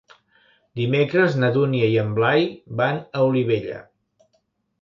Dimecres na Dúnia i en Blai van a Olivella.